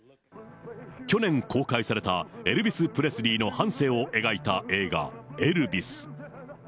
去年公開された、エルビス・プレスリーの半生を描いた映画、エルヴィス。